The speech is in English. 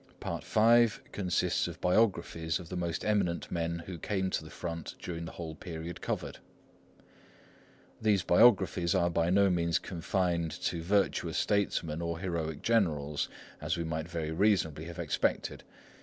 Part V consists of biographies of the most eminent men who came to the front during the whole period covered. These biographies are by no means confined to virtuous statesmen or heroic generals, as we might very reasonably have expected.